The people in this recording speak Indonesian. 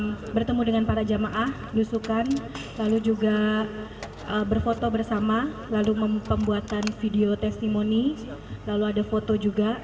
saya bertemu dengan para jemaah nyusukan lalu juga berfoto bersama lalu membuatkan video testimoni lalu ada foto juga